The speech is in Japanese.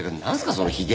そのひげ。